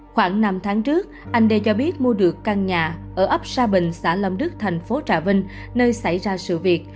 khoảng năm tháng trước anh đê cho biết mua được căn nhà ở ấp sa bình xã lâm đức thành phố trà vinh nơi xảy ra sự việc